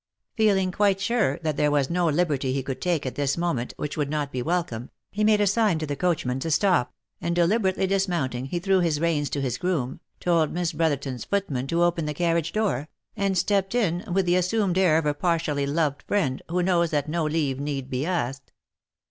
Feeling quite sure that there was no liberty he could take at this moment which would not be welcome, he made a sign to the coach man to stop, and deliberately dismounting he threw his reins to his groom, told Miss Brotherton's footman to open the carriage door, and stepped in with the assumed air of a partially loved friend, who knows that no leave need be asked.